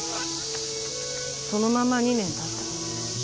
そのまま２年経った。